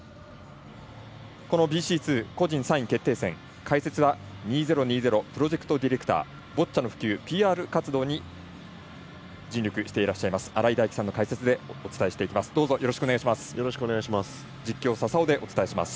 このＢＣ２個人３位決定戦解説は、２０２０プロジェクトディレクターボッチャの普及、ＰＲ活動に尽力していらっしゃいます新井大基さんの解説でお伝えしていきます。